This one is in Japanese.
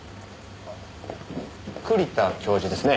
栗田教授ですね？